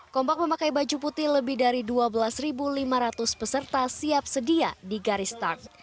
kompak memakai baju putih lebih dari dua belas lima ratus peserta siap sedia di garis start